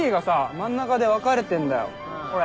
真ん中で分かれてんだよこれ。